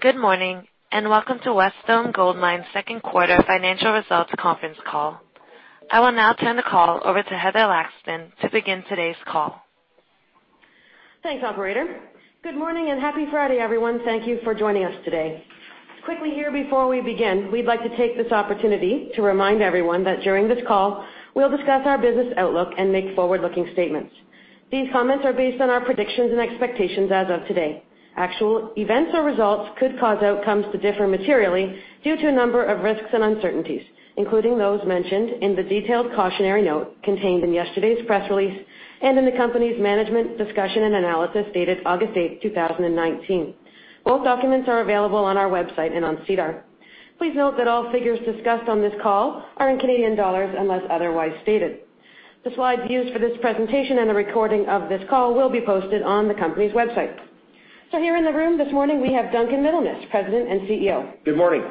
Good morning, welcome to Wesdome Gold Mines' second quarter financial results conference call. I will now turn the call over to Heather Lachapelle to begin today's call. Thanks, operator. Good morning and happy Friday, everyone. Thank you for joining us today. Quickly here, before we begin, we'd like to take this opportunity to remind everyone that during this call, we'll discuss our business outlook and make forward-looking statements. These comments are based on our predictions and expectations as of today. Actual events or results could cause outcomes to differ materially due to a number of risks and uncertainties, including those mentioned in the detailed cautionary note contained in yesterday's press release and in the company's management discussion and analysis dated August 8, 2019. Both documents are available on our website and on SEDAR. Please note that all figures discussed on this call are in Canadian dollars, unless otherwise stated. The slides used for this presentation and a recording of this call will be posted on the company's website. Here in the room this morning, we have Duncan Middlemiss, President and CEO. Good morning.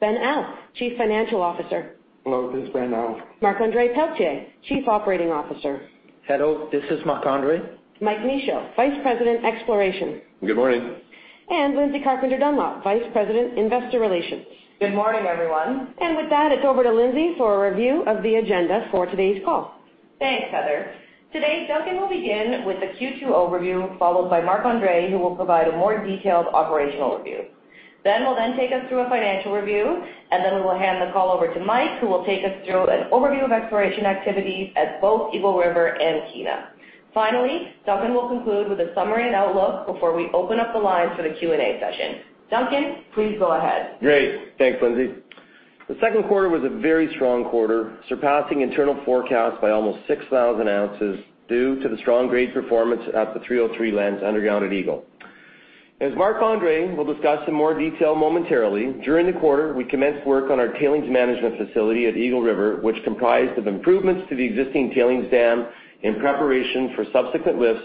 Ben Au, Chief Financial Officer. Hello, this is Ben Au. Marc-Andre Pelletier, Chief Operating Officer. Hello, this is Marc-Andre. Michael Michaud, Vice President, Exploration. Good morning. Lindsay Carpenter Dunlop, Vice President, Investor Relations. Good morning, everyone. With that, it's over to Lindsay for a review of the agenda for today's call. Thanks, Heather. Today, Duncan will begin with the Q2 overview, followed by Marc-Andre, who will provide a more detailed operational review. Ben will then take us through a financial review, and then we will hand the call over to Mike, who will take us through an overview of exploration activities at both Eagle River and Kiena. Finally, Duncan will conclude with a summary and outlook before we open up the lines for the Q&A session. Duncan, please go ahead. Great. Thanks, Lindsay. The second quarter was a very strong quarter, surpassing internal forecasts by almost 6,000 ounces due to the strong grade performance at the 303 Lens underground at Eagle. As Marc-Andre will discuss in more detail momentarily, during the quarter, we commenced work on our tailings management facility at Eagle River, which comprised of improvements to the existing tailings dam in preparation for subsequent lifts.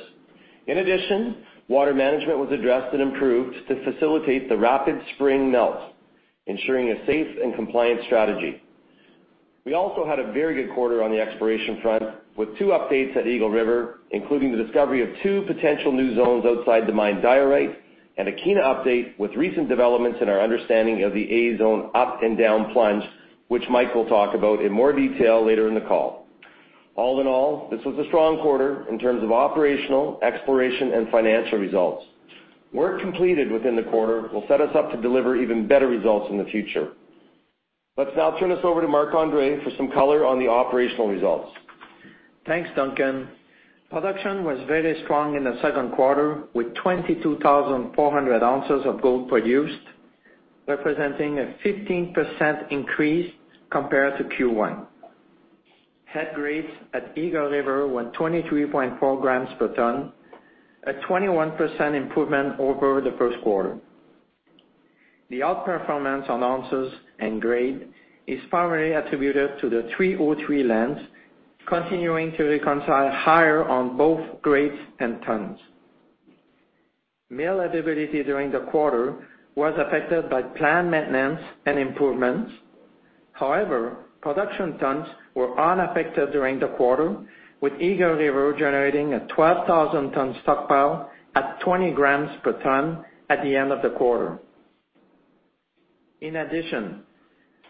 In addition, water management was addressed and improved to facilitate the rapid spring melt, ensuring a safe and compliant strategy. We also had a very good quarter on the exploration front with two updates at Eagle River, including the discovery of two potential new zones outside the mine diorite and a Kiena update with recent developments in our understanding of the A Zone up and down plunge, which Mike will talk about in more detail later in the call. All in all, this was a strong quarter in terms of operational, exploration, and financial results. Work completed within the quarter will set us up to deliver even better results in the future. Let's now turn this over to Marc-Andre for some color on the operational results. Thanks, Duncan. Production was very strong in the second quarter, with 22,400 ounces of gold produced, representing a 15% increase compared to Q1. Head grades at Eagle River were 23.4 grams per ton, a 21% improvement over the first quarter. The outperformance on ounces and grade is primarily attributed to the 303 Lens continuing to reconcile higher on both grades and tons. Mill availability during the quarter was affected by plant maintenance and improvements. However, production tons were unaffected during the quarter, with Eagle River generating a 12,000-ton stockpile at 20 grams per ton at the end of the quarter. In addition,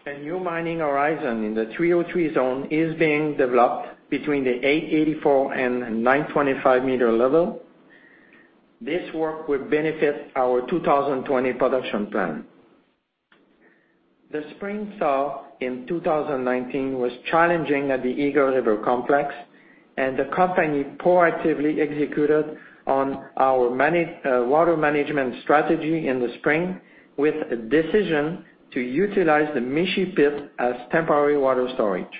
a new mining horizon in the 303 Zone is being developed between the 884 and 925-meter level. This work will benefit our 2020 production plan. The spring thaw in 2019 was challenging at the Eagle River Complex, and the company proactively executed on our water management strategy in the spring with a decision to utilize the Mishi pit as temporary water storage.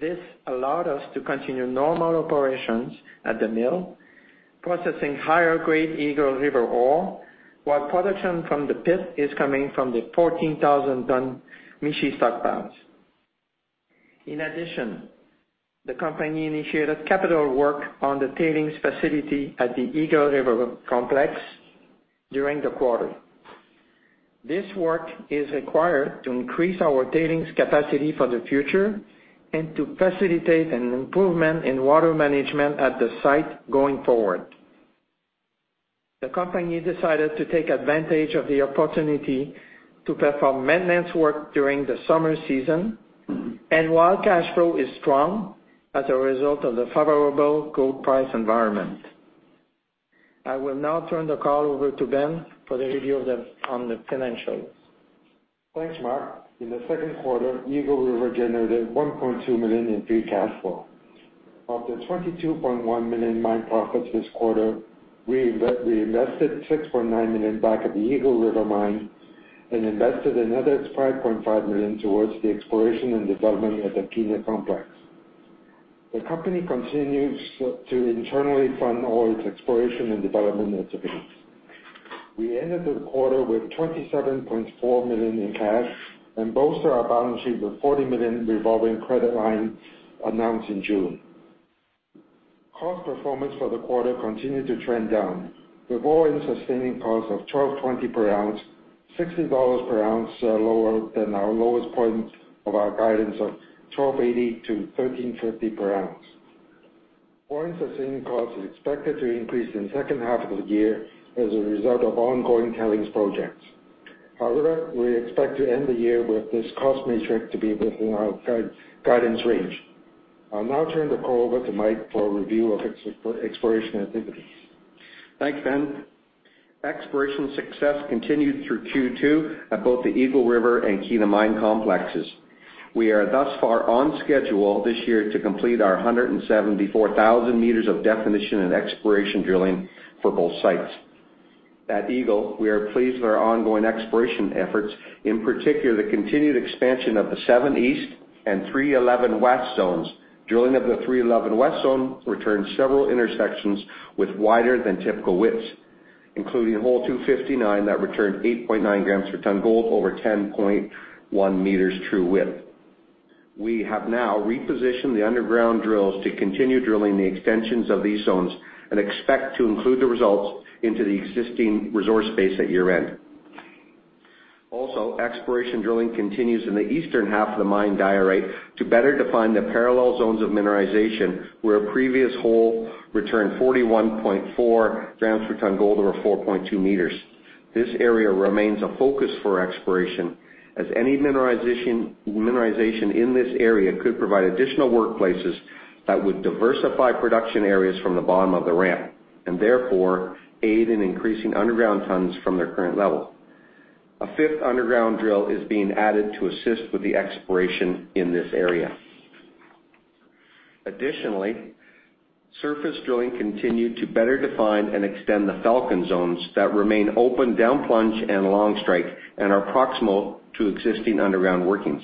This allowed us to continue normal operations at the mill, processing higher-grade Eagle River ore while production from the pit is coming from the 14,000-ton Mishi stockpiles. The company initiated capital work on the tailings facility at the Eagle River Complex during the quarter. This work is required to increase our tailings capacity for the future and to facilitate an improvement in water management at the site going forward. The company decided to take advantage of the opportunity to perform maintenance work during the summer season and while cash flow is strong as a result of the favorable gold price environment. I will now turn the call over to Ben for the review on the financials. Thanks, Marc. In the second quarter, Eagle River generated 1.2 million in free cash flow. Of the 22.1 million mine profits this quarter, we invested 6.9 million back at the Eagle River mine and invested another 5.5 million towards the exploration and development at the Kiena complex. The company continues to internally fund all its exploration and development activities. We ended the quarter with 27.4 million in cash and bolster our balance sheet with 40 million revolving credit line announced in June. Cost performance for the quarter continued to trend down with All-In Sustaining Costs of 1,220 per ounce, 60 dollars per ounce lower than our lowest point of our guidance of 1,280-1,350 per ounce. Mining sustaining costs is expected to increase in the second half of the year as a result of ongoing tailings projects. However, we expect to end the year with this cost metric to be within our guidance range. I'll now turn the call over to Mike for a review of exploration activities. Thanks, Ben Au. Exploration success continued through Q2 at both the Eagle River and Kiena mine complexes. We are thus far on schedule this year to complete our 174,000 meters of definition and exploration drilling for both sites. At Eagle, we are pleased with our ongoing exploration efforts, in particular, the continued expansion of the 7 East and 311 West Zones. Drilling of the 311 West Zone returned several intersections with wider than typical widths, including hole 259 that returned 8.9 grams per ton gold over 10.1 meters true width. We have now repositioned the underground drills to continue drilling the extensions of these zones, and expect to include the results into the existing resource base at year-end. Also, exploration drilling continues in the eastern half of the mine diorite to better define the parallel zones of mineralization where a previous hole returned 41.4 grams per ton gold over 4.2 meters. This area remains a focus for exploration, as any mineralization in this area could provide additional workplaces that would diversify production areas from the bottom of the ramp, and therefore aid in increasing underground tons from their current level. A fifth underground drill is being added to assist with the exploration in this area. Additionally, surface drilling continued to better define and extend the Falcon zones that remain open down plunge and long strike and are proximal to existing underground workings.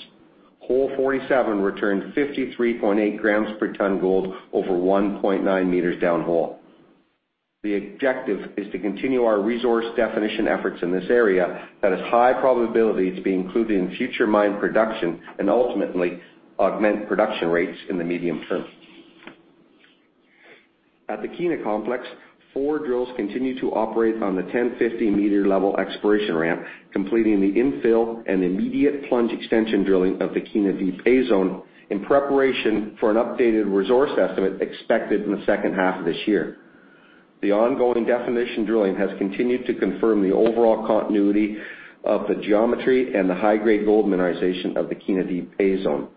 Hole 47 returned 53.8 grams per ton gold over 1.9 meters down hole. The objective is to continue our resource definition efforts in this area that has high probability to be included in future mine production and ultimately augment production rates in the medium term. At the Kiena complex, four drills continue to operate on the 1,050-meter level exploration ramp, completing the infill and immediate plunge extension drilling of the Kiena Deep A Zone in preparation for an updated resource estimate expected in the second half of this year. The ongoing definition drilling has continued to confirm the overall continuity of the geometry and the high-grade gold mineralization of the Kiena Deep A Zone.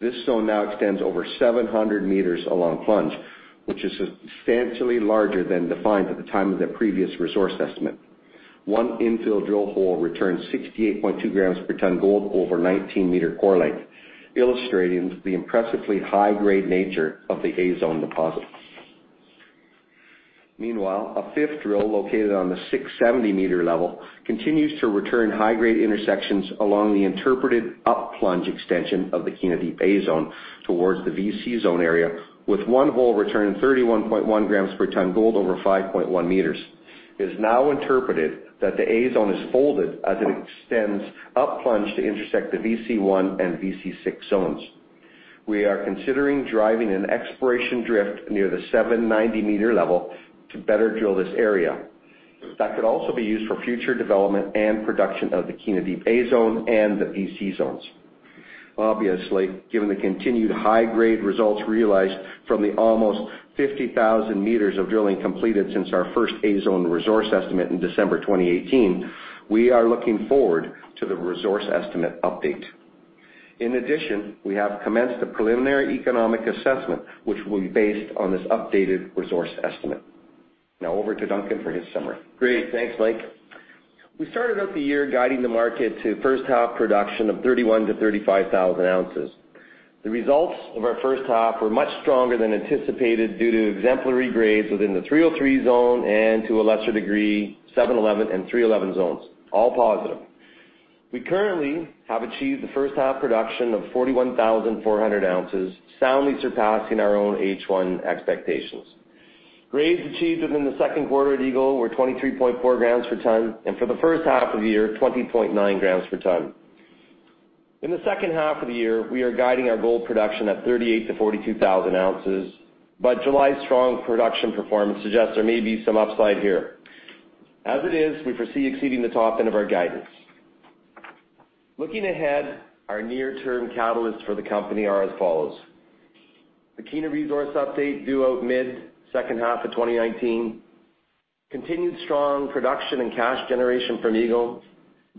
This zone now extends over 700 meters along plunge, which is substantially larger than defined at the time of the previous resource estimate. One infill drill hole returned 68.2 grams per ton gold over 19-meter core length, illustrating the impressively high-grade nature of the A Zone deposit. Meanwhile, a fifth drill located on the 670-meter level continues to return high-grade intersections along the interpreted up-plunge extension of the Kiena Deep A Zone towards the VC Zone area, with one hole returning 31.1 grams per ton gold over 5.1 meters. It is now interpreted that the A Zone is folded as it extends up plunge to intersect the VC1 and VC6 zones. We are considering driving an exploration drift near the 790-meter level to better drill this area. That could also be used for future development and production of the Kiena Deep A Zone and the VC Zones. Obviously, given the continued high-grade results realized from the almost 50,000 meters of drilling completed since our first A Zone resource estimate in December 2018, we are looking forward to the resource estimate update. In addition, we have commenced a Preliminary Economic Assessment, which will be based on this updated resource estimate. Now over to Duncan for his summary. Great. Thanks, Mike. We started out the year guiding the market to first half production of 31,000 to 35,000 ounces. The results of our first half were much stronger than anticipated due to exemplary grades within the 303 Zone, and to a lesser degree, 711 and 311 Zones. All positive. We currently have achieved the first half production of 41,400 ounces, soundly surpassing our own H1 expectations. Grades achieved within the second quarter at Eagle were 23.4 grams per ton, and for the first half of the year, 20.9 grams per ton. In the second half of the year, we are guiding our gold production at 38,000 to 42,000 ounces, but July's strong production performance suggests there may be some upside here. As it is, we foresee exceeding the top end of our guidance. Looking ahead, our near-term catalysts for the company are as follows. The Kiena resource update due out mid-second half of 2019. Continued strong production and cash generation from Eagle.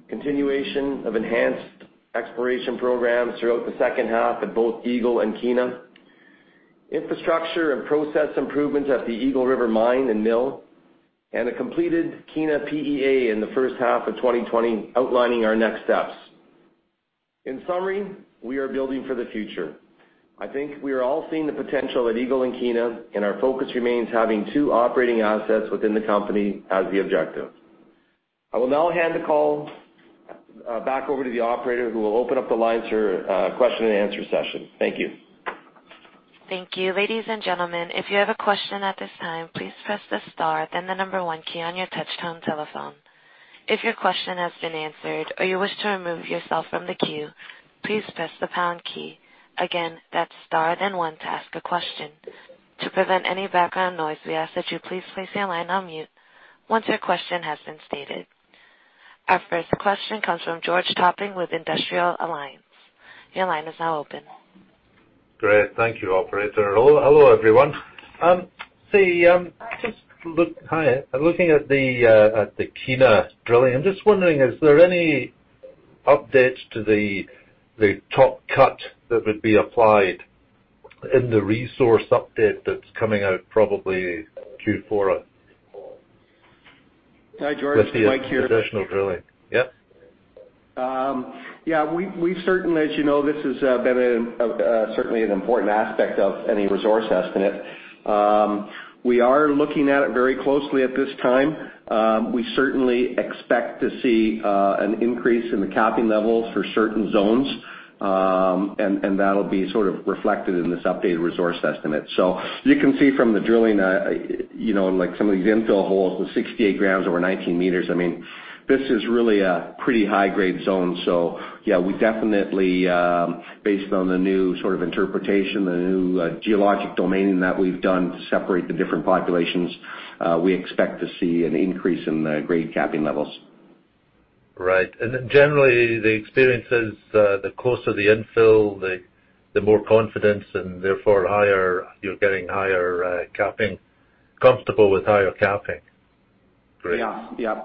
Continuation of enhanced exploration programs throughout the second half at both Eagle and Kiena. Infrastructure and process improvements at the Eagle River Mine and Mill, and a completed Kiena PEA in the first half of 2020 outlining our next steps. In summary, we are building for the future. I think we are all seeing the potential at Eagle and Kiena, and our focus remains having two operating assets within the company as the objective. I will now hand the call back over to the operator, who will open up the lines for a question and answer session. Thank you. Thank you. Ladies and gentlemen, if you have a question at this time, please press the star then the number one key on your touchtone telephone. If your question has been answered or you wish to remove yourself from the queue, please press the pound key. Again, that's star then one to ask a question. To prevent any background noise, we ask that you please place your line on mute once your question has been stated. Our first question comes from George Topping with Industrial Alliance. Your line is now open. Great. Thank you, operator. Hello, everyone. Hi. I'm looking at the Kiena drilling. I'm just wondering, is there any updates to the top cut that would be applied in the resource update that's coming out probably Q4? Hi, George. Mike here. Additional drilling. Yep. Yeah. As you know, this has been certainly an important aspect of any resource estimate. We are looking at it very closely at this time. We certainly expect to see an increase in the capping levels for certain zones, and that'll be sort of reflected in this updated resource estimate. You can see from the drilling, like some of these infill holes, the 68 grams over 19 meters, this is really a pretty high-grade zone. Yeah, we definitely, based on the new sort of interpretation, the new geologic domaining that we've done to separate the different populations, we expect to see an increase in the grade capping levels. Right. Generally, the experience is, the closer the infill, the more confidence and therefore, you're getting comfortable with higher capping. Great. Yeah.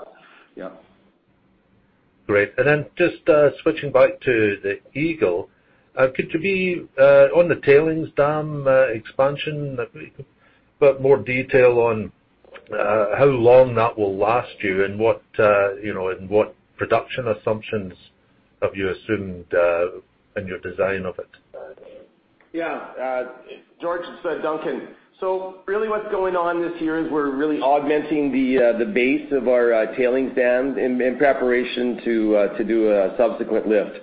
Great. Then just switching back to the Eagle. On the tailings dam expansion, a bit more detail on how long that will last you and what production assumptions have you assumed in your design of it? Yeah. George, it's Duncan. Really what's going on this year is we're really augmenting the base of our tailings dam in preparation to do a subsequent lift.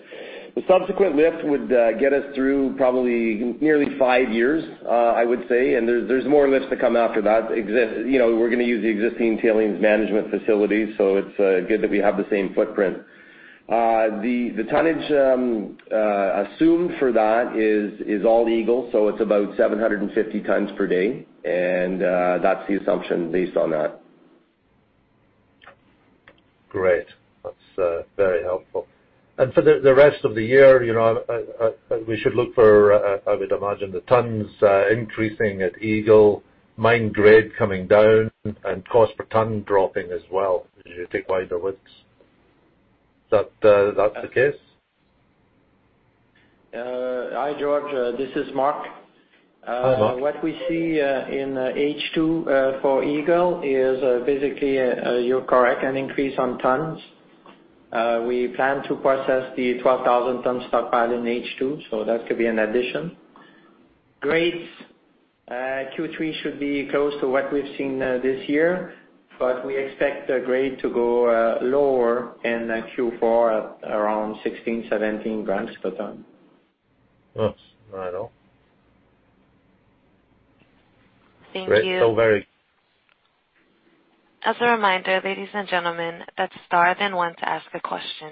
The subsequent lift would get us through probably nearly five years, I would say, and there's more lifts to come after that exist. We're going to use the existing tailings management facilities, it's good that we have the same footprint. The tonnage assumed for that is all Eagle, it's about 750 tons per day, that's the assumption based on that. Great. That's very helpful. For the rest of the year, we should look for, I would imagine, the tons increasing at Eagle, mine grade coming down, and cost per ton dropping as well as you take wider widths. That's the case? Hi, George. This is Marc. Hi, Marc. What we see in H2 for Eagle is basically, you're correct, an increase on tons. We plan to process the 12,000 ton stockpile in H2. That could be an addition. Grades, Q3 should be close to what we've seen this year. We expect the grade to go lower in Q4 at around 16, 17 grams per ton. That's all right. Thank you. As a reminder, ladies and gentlemen, press star then one to ask a question.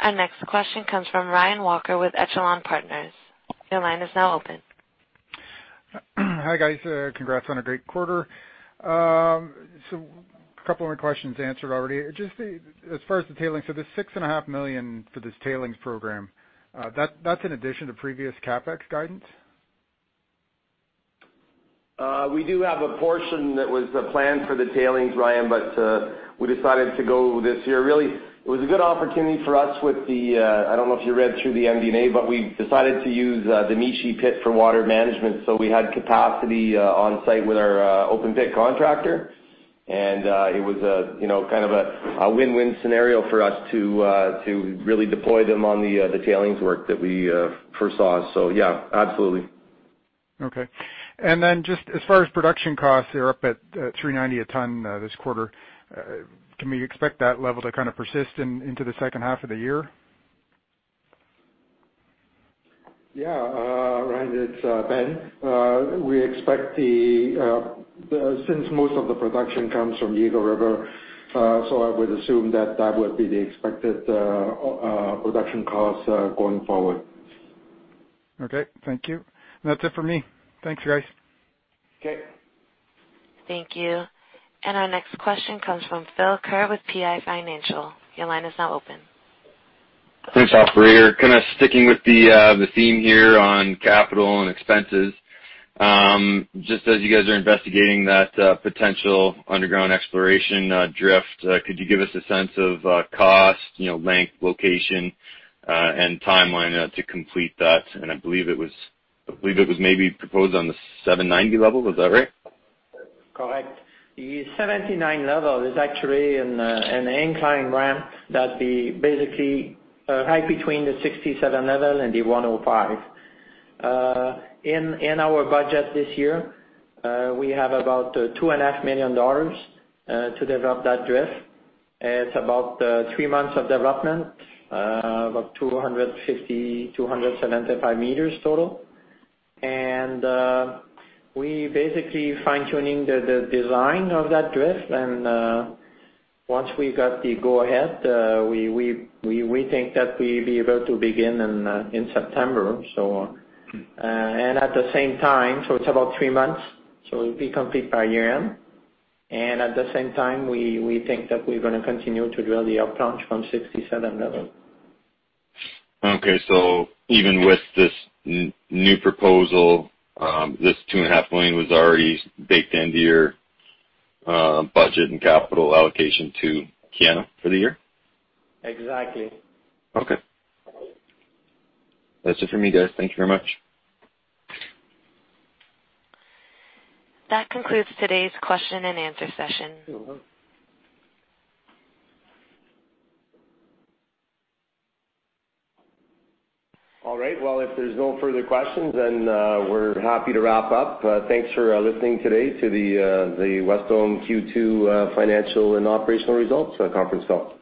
Our next question comes from Ryan Walker with ECHELON Partners. Your line is now open. Hi, guys. Congrats on a great quarter. A couple of my questions answered already. Just as far as the tailings, this 6.5 million for this tailings program, that's an addition to previous CapEx guidance? We do have a portion that was planned for the tailings, Ryan, but we decided to go this year, really, it was a good opportunity for us with the, I don't know if you read through the MD&A, but we decided to use the Mishi pit for water management. We had capacity on site with our open pit contractor, and it was kind of a win-win scenario for us to really deploy them on the tailings work that we foresaw. Yeah, absolutely. Okay. Just as far as production costs, they're up at 390 a ton this quarter. Can we expect that level to kind of persist into the second half of the year? Yeah. Ryan, it's Ben. Since most of the production comes from Eagle River, so I would assume that that would be the expected production costs going forward. Okay. Thank you. That's it for me. Thanks, guys. Okay. Thank you. Our next question comes from Philip Ker with PI Financial. Your line is now open. Thanks, operator. Kind of sticking with the theme here on capital and expenses. Just as you guys are investigating that potential underground exploration drift, could you give us a sense of cost, length, location, and timeline to complete that? I believe it was maybe proposed on the 790 level. Is that right? Correct. The 79 level is actually an inclined ramp that's basically right between the 67 level and the 105. In our budget this year, we have about 2.5 million dollars to develop that drift. It's about three months of development, about 250, 275 meters total. We basically fine-tuning the design of that drift, and once we got the go-ahead, we think that we'll be able to begin in September. It's about three months, so it will be complete by year-end. At the same time, we think that we're going to continue to drill the up-plunge from 67 level. Okay. Even with this new proposal, this 2.5 million was already baked into your budget and capital allocation to Kiena for the year? Exactly. Okay. That's it for me, guys. Thank you very much. That concludes today's question and answer session. All right. If there's no further questions, we're happy to wrap up. Thanks for listening today to the Wesdome Q2 Financial and Operational Results Conference call.